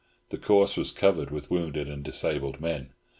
The course was covered with wounded and disabled men.